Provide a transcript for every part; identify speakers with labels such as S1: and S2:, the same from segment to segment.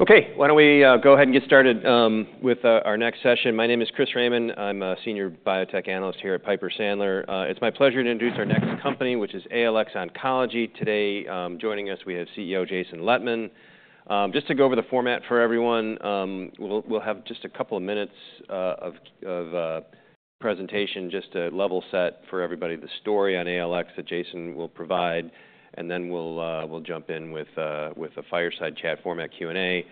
S1: Okay, why don't we go ahead and get started with our next session? My name is Chris Raymond. I'm a senior biotech analyst here at Piper Sandler. It's my pleasure to introduce our next company, which is ALX Oncology. Today, joining us, we have CEO Jason Lettmann. Just to go over the format for everyone, we'll have just a couple of minutes of presentation just to level set for everybody the story on ALX that Jason will provide, and then we'll jump in with a fireside chat format Q&A.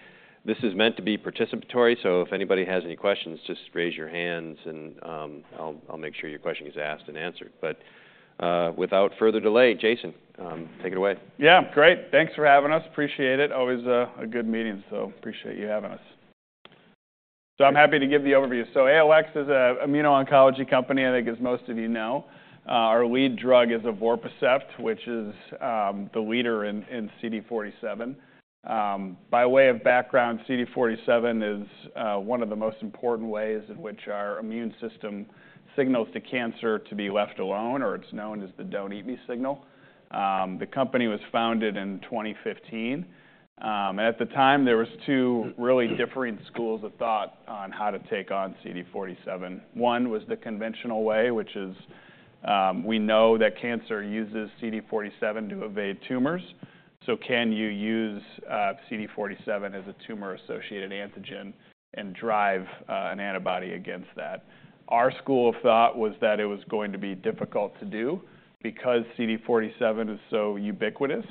S1: This is meant to be participatory, so if anybody has any questions, just raise your hands and I'll make sure your question gets asked and answered. But without further delay, Jason, take it away.
S2: Yeah, great. Thanks for having us. Appreciate it. Always a good meeting, so appreciate you having us. I'm happy to give the overview. ALX is an immuno-oncology company, I think as most of you know. Our lead drug is evorpacept, which is the leader in CD47. By way of background, CD47 is one of the most important ways in which our immune system signals to cancer to be left alone, or it's known as the "don't eat me" signal. The company was founded in 2015, and at the time there were two really differing schools of thought on how to take on CD47. One was the conventional way, which is we know that cancer uses CD47 to evade tumors, so can you use CD47 as a tumor-associated antigen and drive an antibody against that? Our school of thought was that it was going to be difficult to do because CD47 is so ubiquitous.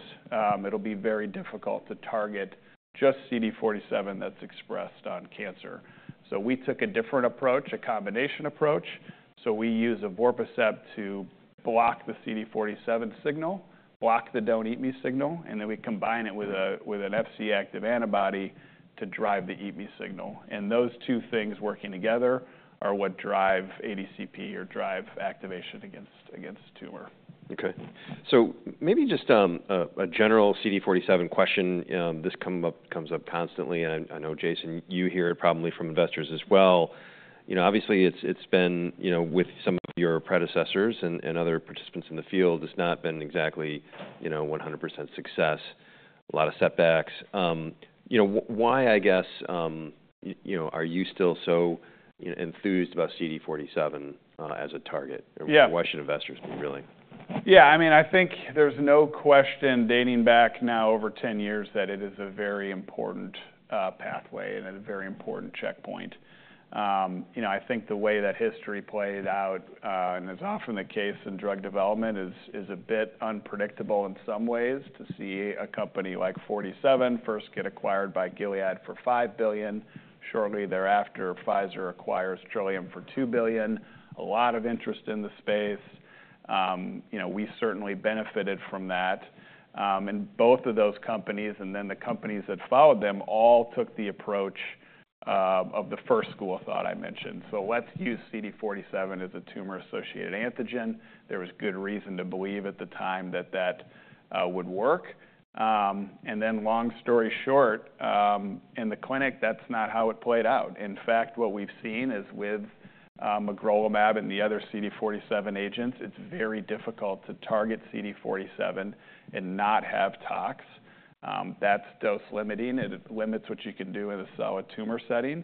S2: It'll be very difficult to target just CD47 that's expressed on cancer. So we took a different approach, a combination approach. So we use evorpacept to block the CD47 signal, block the "don't eat me" signal, and then we combine it with an Fc-active antibody to drive the "eat me" signal. And those two things working together are what drive ADCP or drive activation against tumor.
S1: Okay. So maybe just a general CD47 question. This comes up constantly, and I know Jason, you hear it probably from investors as well. Obviously, it's been with some of your predecessors and other participants in the field, it's not been exactly 100% success, a lot of setbacks. Why, I guess, are you still so enthused about CD47 as a target? Why should investors be willing?
S2: Yeah, I mean, I think there's no question dating back now over 10 years that it is a very important pathway and a very important checkpoint. I think the way that history played out, and is often the case in drug development, is a bit unpredictable in some ways to see a company like Forty Seven first get acquired by Gilead for $5 billion. Shortly thereafter, Pfizer acquires Trillium for $2 billion. A lot of interest in the space. We certainly benefited from that. And both of those companies and then the companies that followed them all took the approach of the first school of thought I mentioned. So let's use CD47 as a tumor-associated antigen. There was good reason to believe at the time that that would work. And then long story short, in the clinic, that's not how it played out. In fact, what we've seen is with magrolimab and the other CD47 agents, it's very difficult to target CD47 and not have tox. That's dose limiting. It limits what you can do in a solid tumor setting.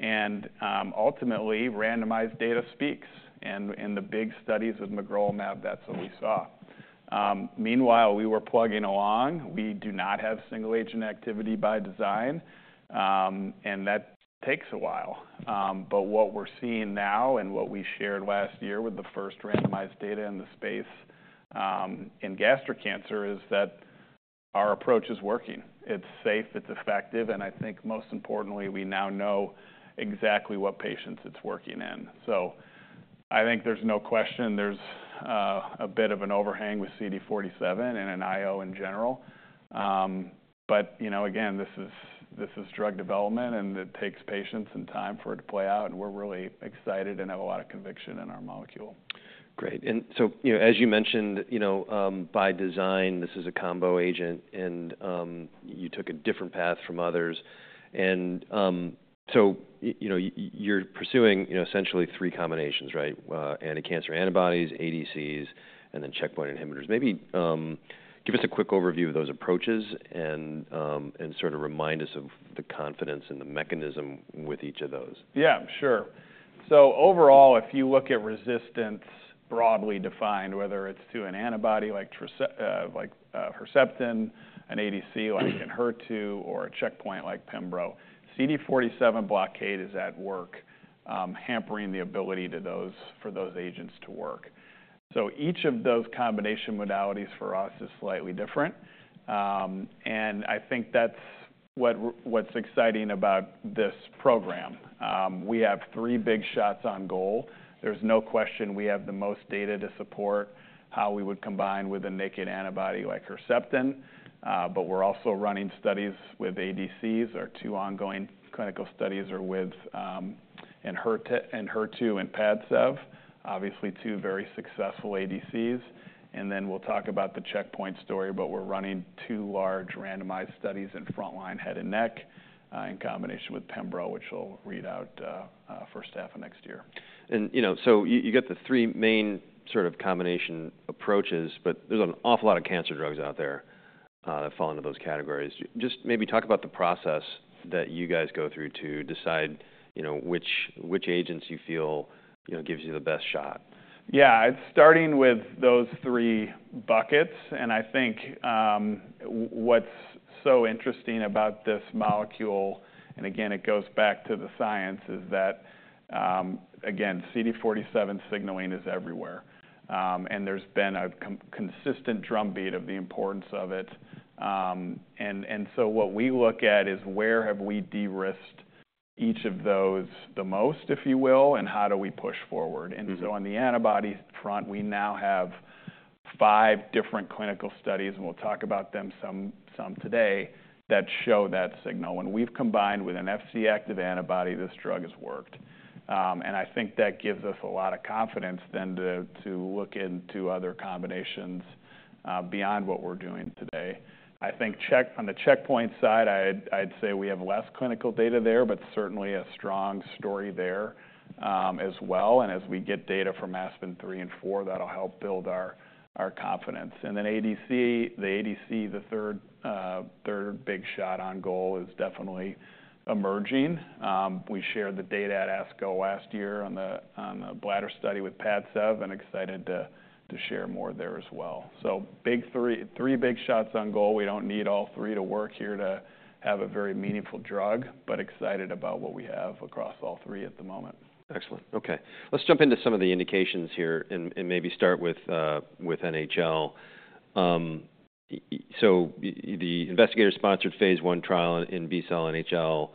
S2: Ultimately, randomized data speaks. In the big studies with magrolimab, that's what we saw. Meanwhile, we were plugging along. We do not have single-agent activity by design, and that takes a while. What we're seeing now and what we shared last year with the first randomized data in the space in gastric cancer is that our approach is working. It's safe, it's effective, and I think most importantly, we now know exactly what patients it's working in. There's no question there's a bit of an overhang with CD47 and in IO in general. But again, this is drug development and it takes patience and time for it to play out, and we're really excited and have a lot of conviction in our molecule.
S1: Great. And so as you mentioned, by design, this is a combo agent, and you took a different path from others. And so you're pursuing essentially three combinations, right? Anti-cancer antibodies, ADCs, and then checkpoint inhibitors. Maybe give us a quick overview of those approaches and sort of remind us of the confidence and the mechanism with each of those.
S2: Yeah, sure. So overall, if you look at resistance broadly defined, whether it's to an antibody like Herceptin, an ADC like Enhertu, or a checkpoint like Pembro, CD47 blockade is at work, hampering the ability for those agents to work. So each of those combination modalities for us is slightly different. And I think that's what's exciting about this program. We have three big shots on goal. There's no question we have the most data to support how we would combine with a naked antibody like Herceptin, but we're also running studies with ADCs. Our two ongoing clinical studies are with Enhertu and Padcev, obviously two very successful ADCs. And then we'll talk about the checkpoint story, but we're running two large randomized studies in frontline head and neck in combination with Pembro, which we'll read out first half next year.
S1: And so you got the three main sort of combination approaches, but there's an awful lot of cancer drugs out there that fall into those categories. Just maybe talk about the process that you guys go through to decide which agents you feel gives you the best shot.
S2: Yeah, it's starting with those three buckets. And I think what's so interesting about this molecule, and again, it goes back to the science, is that, again, CD47 signaling is everywhere. And there's been a consistent drumbeat of the importance of it, and so what we look at is where have we de-risked each of those the most, if you will, and how do we push forward. And so on the antibody front, we now have five different clinical studies, and we'll talk about them some today, that show that signal. When we've combined with an Fc-active antibody, this drug has worked. And I think that gives us a lot of confidence then to look into other combinations beyond what we're doing today. I think on the checkpoint side, I'd say we have less clinical data there, but certainly a strong story there as well. As we get data from ASPEN-03 and ASPEN-04, that will help build our confidence. The ADC, the third big shot on goal, is definitely emerging. We shared the data at ASCO last year on the bladder study with Padcev and are excited to share more there as well. Three big shots on goal. We do not need all three to work here to have a very meaningful drug, but we are excited about what we have across all three at the moment.
S1: Excellent. Okay. Let's jump into some of the indications here and maybe start with NHL. So the investigator-sponsored phase I trial in B-cell NHL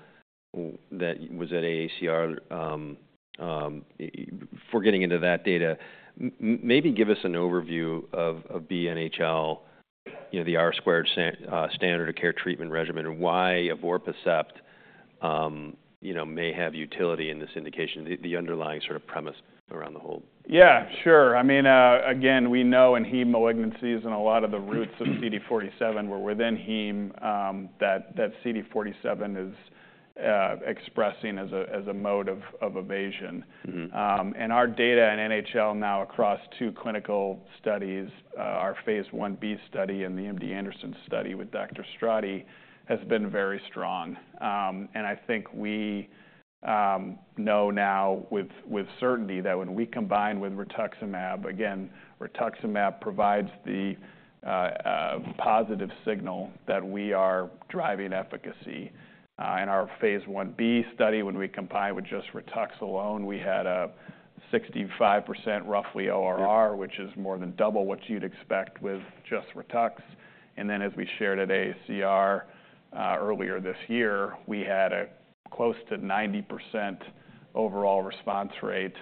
S1: that was at AACR, for getting into that data, maybe give us an overview of B-cell NHL, the R-squared standard of care treatment regimen, and why evorpacept may have utility in this indication, the underlying sort of premise around the whole.
S2: Yeah, sure. I mean, again, we know in heme malignancies and a lot of the roots of CD47 were within heme that CD47 is expressing as a mode of evasion. And our data in NHL now across two clinical studies, our phase I-B study and the MD Anderson study with Dr. Strati has been very strong. And I think we know now with certainty that when we combine with Rituximab, again, Rituximab provides the positive signal that we are driving efficacy. In our phase I-B study, when we combined with just Ritux alone, we had a roughly 65% ORR, which is more than double what you'd expect with just Ritux. And then as we shared at AACR earlier this year, we had a close to 90% overall response rate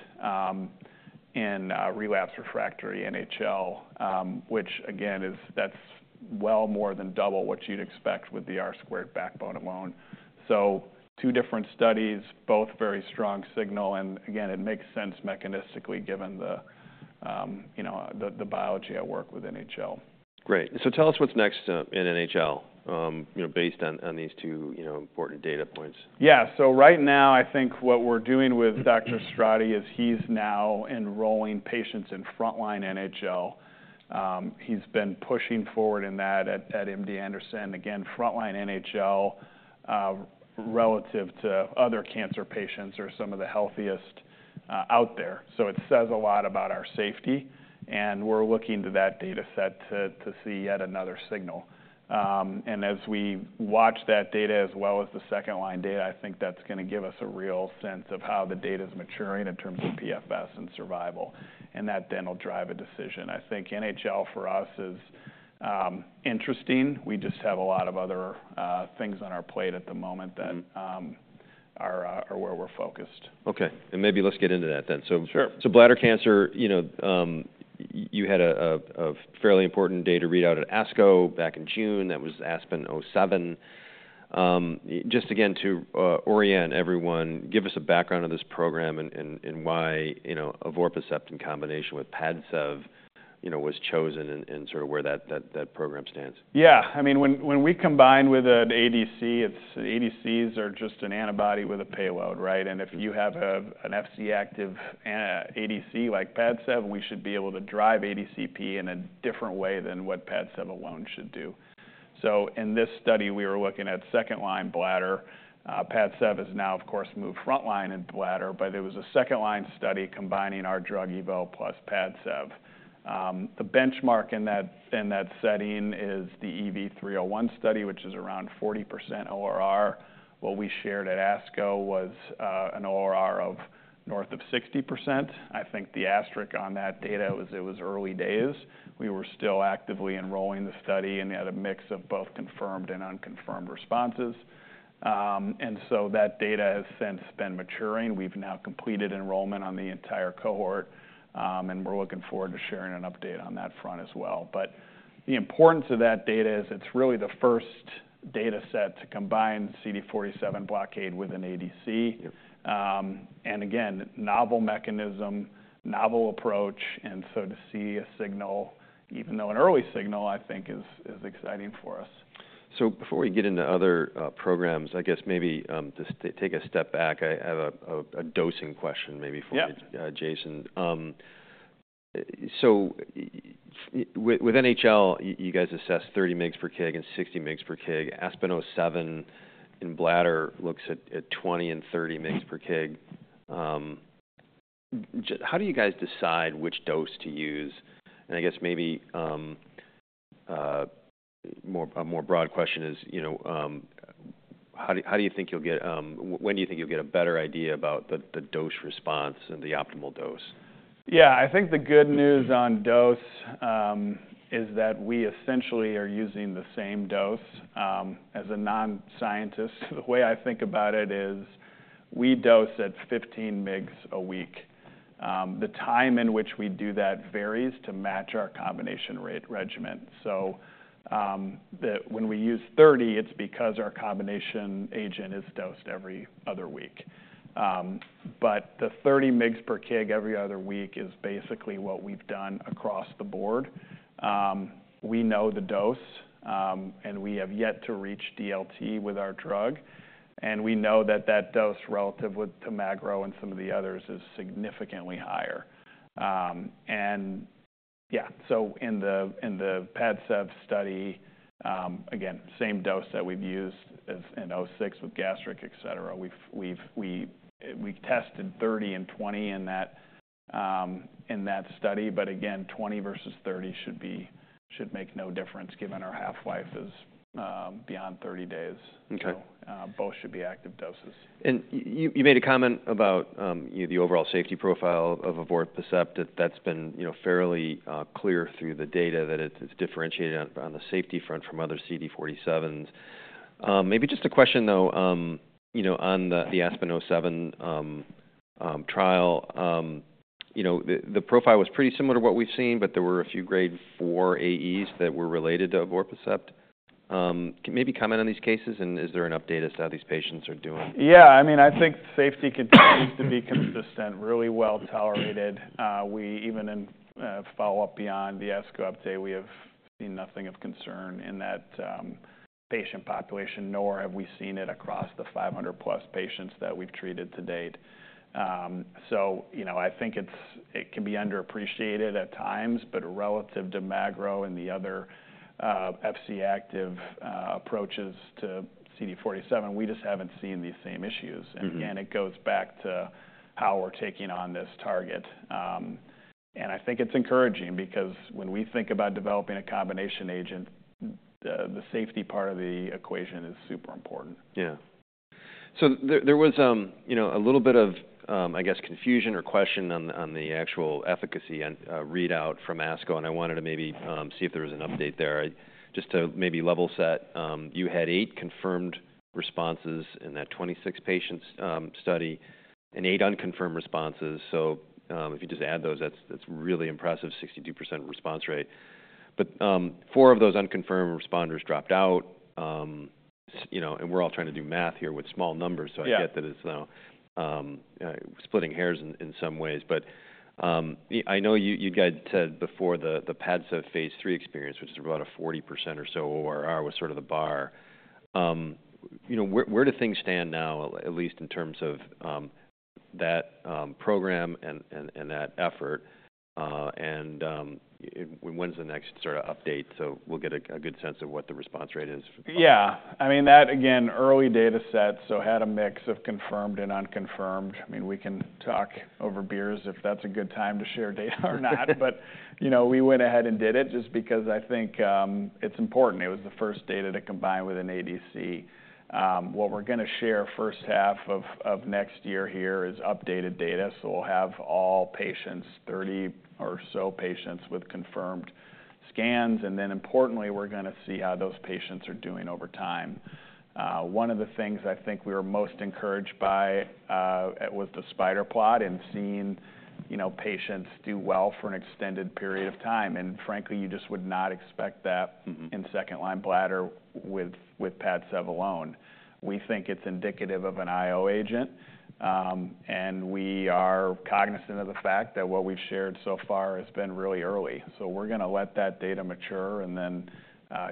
S2: in relapse refractory NHL, which again, that's well more than double what you'd expect with the R-squared backbone alone. So two different studies, both very strong signal, and again, it makes sense mechanistically given the biology at work with NHL.
S1: Great. So tell us what's next in NHL based on these two important data points?
S2: Yeah, so right now I think what we're doing with Dr. Strati is he's now enrolling patients in frontline NHL. He's been pushing forward in that at MD Anderson. Again, frontline NHL relative to other cancer patients are some of the healthiest out there. So it says a lot about our safety, and we're looking to that dataset to see yet another signal. And as we watch that data as well as the second line data, I think that's going to give us a real sense of how the data is maturing in terms of PFS and survival, and that then will drive a decision. I think NHL for us is interesting. We just have a lot of other things on our plate at the moment that are where we're focused.
S1: Okay. And maybe let's get into that then. So bladder cancer, you had a fairly important data readout at ASCO back in June. That was ASPEN-07. Just again to orient everyone, give us a background of this program and why evorpacept in combination with Padcev was chosen and sort of where that program stands?
S2: Yeah. I mean, when we combine with an ADC, ADCs are just an antibody with a payload, right? And if you have an Fc-active ADC like Padcev, we should be able to drive ADCP in a different way than what Padcev alone should do. So in this study, we were looking at second line bladder. Padcev has now, of course, moved frontline in bladder, but it was a second line study combining our drug Evo plus Padcev. The benchmark in that setting is the EV-301 study, which is around 40% ORR. What we shared at ASCO was an ORR of north of 60%. I think the asterisk on that data was it was early days. We were still actively enrolling the study and had a mix of both confirmed and unconfirmed responses. And so that data has since been maturing. We've now completed enrollment on the entire cohort, and we're looking forward to sharing an update on that front as well. But the importance of that data is it's really the first dataset to combine CD47 blockade with an ADC. And again, novel mechanism, novel approach, and so to see a signal, even though an early signal, I think is exciting for us.
S1: So before we get into other programs, I guess maybe to take a step back, I have a dosing question maybe for Jason. So with NHL, you guys assess 30 mg per kg and 60 mg per kg. Aspen-07 in bladder looks at 20 and 30 mg per kg. How do you guys decide which dose to use? And I guess maybe a more broad question is how do you think, when do you think you'll get a better idea about the dose response and the optimal dose?
S2: Yeah, I think the good news on dose is that we essentially are using the same dose. As a non-scientist, the way I think about it is we dose at 15 mg a week. The time in which we do that varies to match our combination rate regimen. So when we use 30, it's because our combination agent is dosed every other week. But the 30 mg per kg every other week is basically what we've done across the board. We know the dose, and we have yet to reach DLT with our drug. And we know that that dose relative with magrolimab and some of the others is significantly higher. And yeah, so in the Padcev study, again, same dose that we've used in 06 with gastric, et cetera. We tested 30 and 20 in that study, but again, 20 versus 30 should make no difference given our half-life is beyond 30 days. So both should be active doses.
S1: You made a comment about the overall safety profile of evorpacept that's been fairly clear through the data that it's differentiated on the safety front from other CD47s. Maybe just a question though, on the Aspen-07 trial, the profile was pretty similar to what we've seen, but there were a few grade 4 AEs that were related to evorpacept. Can maybe comment on these cases and is there an update as to how these patients are doing?
S2: Yeah, I mean, I think safety continues to be consistent, really well tolerated. Even in follow-up beyond the ASCO update, we have seen nothing of concern in that patient population, nor have we seen it across the 500 plus patients that we've treated to date. So I think it can be underappreciated at times, but relative to magrolimab and the other Fc-active approaches to CD47, we just haven't seen these same issues. And again, it goes back to how we're taking on this target. And I think it's encouraging because when we think about developing a combination agent, the safety part of the equation is super important.
S1: Yeah, so there was a little bit of, I guess, confusion or question on the actual efficacy readout from ASCO, and I wanted to maybe see if there was an update there. Just to maybe level set, you had eight confirmed responses in that 26 patients study and eight unconfirmed responses, so if you just add those, that's really impressive, 62% response rate, but four of those unconfirmed responders dropped out, and we're all trying to do math here with small numbers, so I get that it's splitting hairs in some ways, but I know you guys said before the Padcev phase III experience, which is about a 40% or so ORR was sort of the bar. Where do things stand now, at least in terms of that program and that effort, and when's the next sort of update? So we'll get a good sense of what the response rate is.
S2: Yeah. I mean, that again, early dataset, so had a mix of confirmed and unconfirmed. I mean, we can talk over beers if that's a good time to share data or not, but we went ahead and did it just because I think it's important. It was the first data to combine with an ADC. What we're going to share first half of next year here is updated data. So we'll have all patients, 30 or so patients with confirmed scans. And then importantly, we're going to see how those patients are doing over time. One of the things I think we were most encouraged by was the spider plot and seeing patients do well for an extended period of time. And frankly, you just would not expect that in second-line bladder with Padcev alone. We think it's indicative of an IO agent, and we are cognizant of the fact that what we've shared so far has been really early. So we're going to let that data mature and then,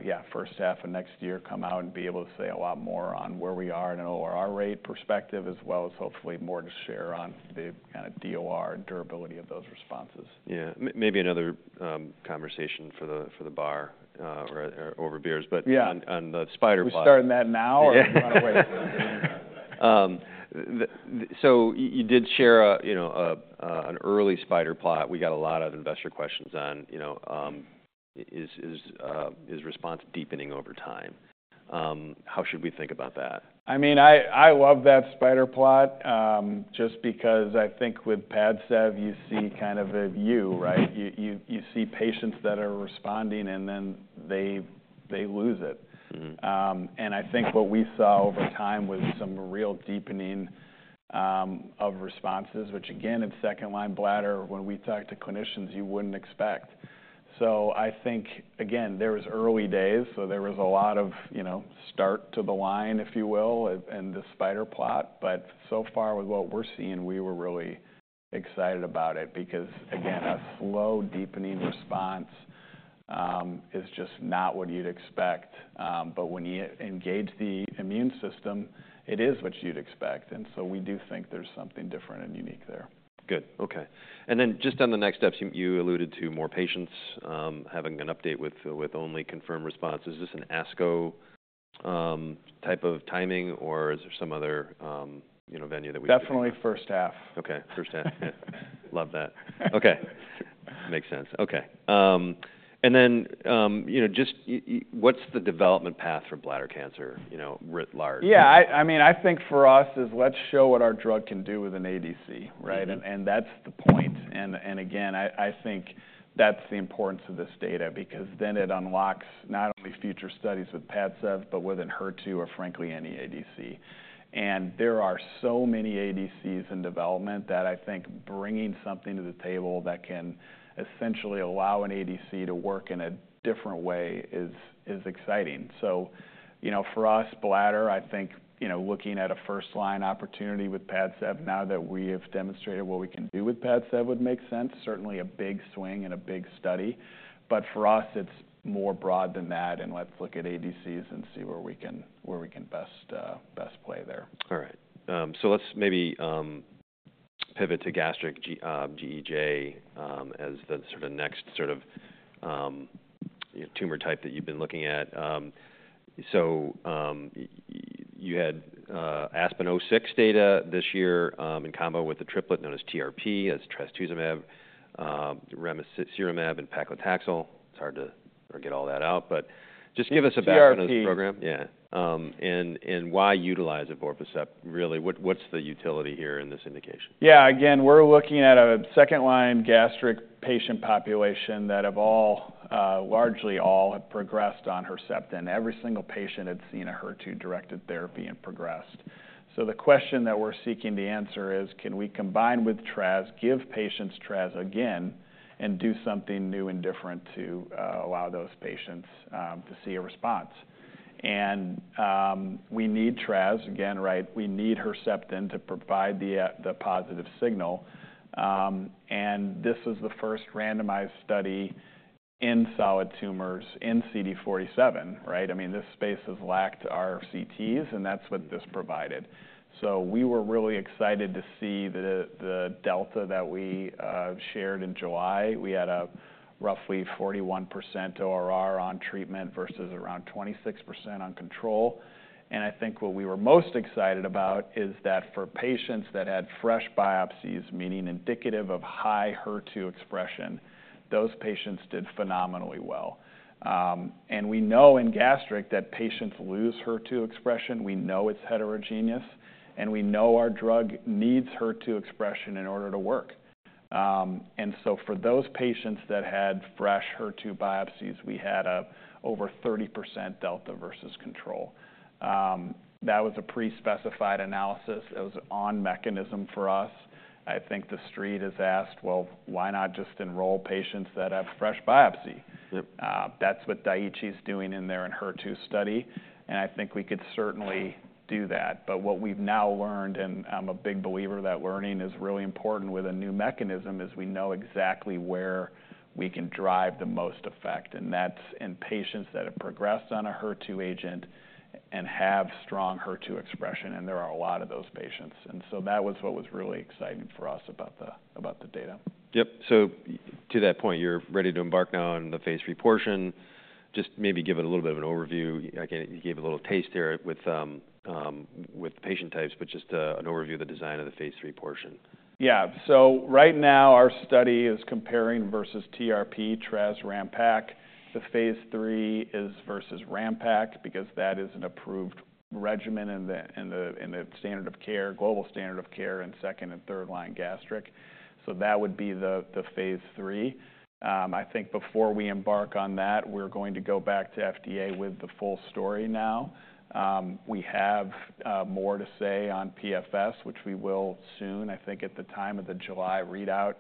S2: yeah, first half of next year come out and be able to say a lot more on where we are in an ORR rate perspective as well as hopefully more to share on the kind of DOR durability of those responses.
S1: Yeah. Maybe another conversation for the bar or over beers, but on the spider plot.
S2: We starting that now or do you want to wait?
S1: So you did share an early spider plot. We got a lot of investor questions on if response deepening over time? How should we think about that?
S2: I mean, I love that spider plot just because I think with Padcev you see kind of a view, right? You see patients that are responding and then they lose it, and I think what we saw over time was some real deepening of responses, which again, in second-line bladder, when we talk to clinicians, you wouldn't expect, so I think, again, there was early days, so there was a lot of start to the line, if you will, and the spider plot, but so far with what we're seeing, we were really excited about it because again, a slow deepening response is just not what you'd expect, but when you engage the immune system, it is what you'd expect, and so we do think there's something different and unique there.
S1: Good. Okay. And then just on the next steps, you alluded to more patients having an update with only confirmed responses. Is this an ASCO type of timing or is there some other venue that we?
S2: Definitely first half.
S1: Okay. First half. Love that. Okay. Makes sense. Okay. And then just what's the development path for bladder cancer writ large?
S2: Yeah. I mean, I think for us is let's show what our drug can do with an ADC, right? And that's the point. And again, I think that's the importance of this data because then it unlocks not only future studies with Padcev, but within HER2 or frankly any ADC. And there are so many ADCs in development that I think bringing something to the table that can essentially allow an ADC to work in a different way is exciting. So for us, bladder, I think looking at a first line opportunity with Padcev now that we have demonstrated what we can do with Padcev would make sense. Certainly a big swing and a big study. But for us, it's more broad than that and let's look at ADCs and see where we can best play there.
S1: All right. So let's maybe pivot to gastric GEJ as the sort of next sort of tumor type that you've been looking at. So you had Aspen 06 data this year in combo with a triplet known as TRP as trastuzumab, ramucirumab, and paclitaxel. It's hard to get all that out, but just give us a background of this program.
S2: TRP.
S1: Yeah. And why utilize evorpacept really? What's the utility here in this indication?
S2: Yeah. Again, we're looking at a second-line gastric patient population that have all largely progressed on Herceptin. Every single patient had seen a HER2-directed therapy and progressed. So the question that we're seeking to answer is, can we combine with TRAZ, give patients TRAZ again, and do something new and different to allow those patients to see a response? And we need TRAZ again, right? We need Herceptin to provide the positive signal. And this was the first randomized study in solid tumors in CD47, right? I mean, this space has lacked RCTs and that's what this provided. So we were really excited to see the delta that we shared in July. We had a roughly 41% ORR on treatment versus around 26% on control. I think what we were most excited about is that for patients that had fresh biopsies, meaning indicative of high HER2 expression, those patients did phenomenally well. We know in gastric that patients lose HER2 expression. We know it's heterogeneous, and we know our drug needs HER2 expression in order to work. So for those patients that had fresh HER2 biopsies, we had over 30% delta versus control. That was a pre-specified analysis. It was an on mechanism for us. I think the street has asked, well, why not just enroll patients that have fresh biopsy? That's what Daiichi is doing in their HER2 study. I think we could certainly do that. But what we've now learned, and I'm a big believer that learning is really important with a new mechanism, is we know exactly where we can drive the most effect. And that's in patients that have progressed on a HER2 agent and have strong HER2 expression. And there are a lot of those patients. And so that was what was really exciting for us about the data.
S1: Yep, so to that point, you're ready to embark now on the phase III portion. Just maybe give it a little bit of an overview. You gave a little taste there with patient types, but just an overview of the design of the phase III portion.
S2: Yeah. So right now our study is comparing versus TRP, TRAZ, RAMPAC. The phase III is versus RAMPAC because that is an approved regimen in the standard of care, global standard of care in second- and third-line gastric. So that would be the phase III. I think before we embark on that, we're going to go back to FDA with the full story now. We have more to say on PFS, which we will soon. I think at the time of the July readout,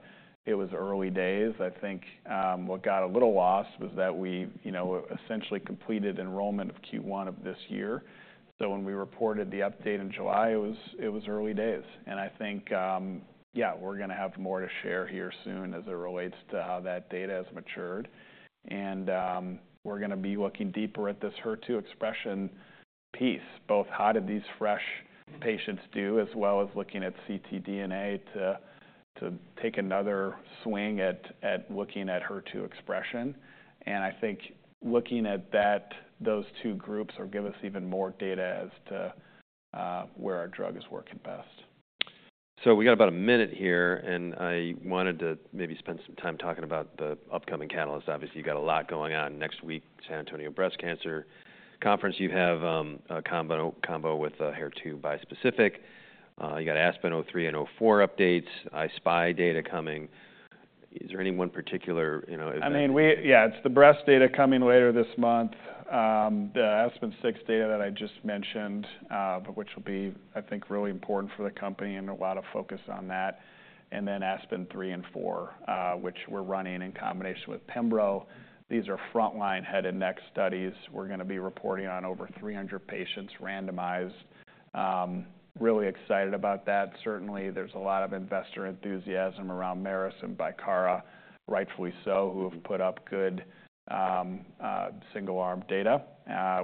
S2: it was early days. I think what got a little lost was that we essentially completed enrollment of Q1 of this year. So when we reported the update in July, it was early days. And I think, yeah, we're going to have more to share here soon as it relates to how that data has matured. We're going to be looking deeper at this HER2 expression piece, both how did these fresh patients do as well as looking at CT DNA to take another swing at looking at HER2 expression. I think looking at those two groups will give us even more data as to where our drug is working best.
S1: So we got about a minute here, and I wanted to maybe spend some time talking about the upcoming catalysts. Obviously, you've got a lot going on next week, San Antonio Breast Cancer Conference. You have a combo with HER2 bispecific. You've got ASPEN-03 and ASPEN-04 updates, I-SPY data coming. Is there any one particular?
S2: I mean, yeah, it's the breast data coming later this month, the ASPEN-06 data that I just mentioned, which will be, I think, really important for the company and a lot of focus on that. And then Aspen-03 and Aspen-04, which we're running in combination with Pembro. These are front line head and neck studies. We're going to be reporting on over 300 patients randomized. Really excited about that. Certainly, there's a lot of investor enthusiasm around Merus and Bicara, rightfully so, who have put up good single arm data.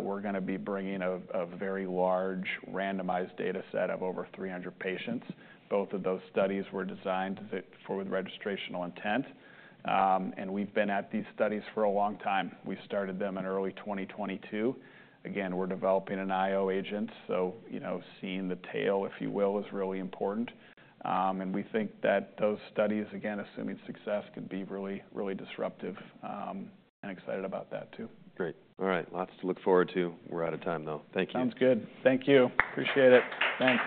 S2: We're going to be bringing a very large randomized data set of over 300 patients. Both of those studies were designed for registrational intent. And we've been at these studies for a long time. We started them in early 2022. Again, we're developing an IO agent. So seeing the tail, if you will, is really important. And we think that those studies, again, assuming success, can be really, really disruptive. And excited about that too.
S1: Great. All right. Lots to look forward to. We're out of time though. Thank you.
S2: Sounds good. Thank you. Appreciate it. Thanks.